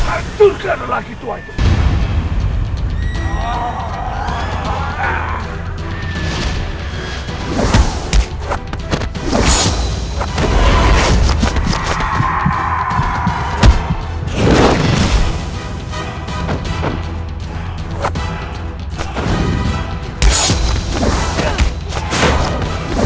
aku tidak bermaksud mengganggumu